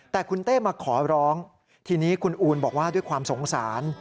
แต่คุณเต้มาขอร้องทีนี้คุณอูนบอกว่าด้วยความสงสาร